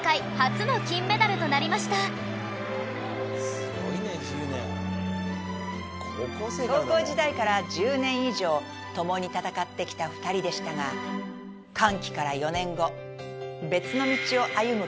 「すごいね１０年」高校時代から１０年以上共に戦ってきた２人でしたが歓喜から４年後。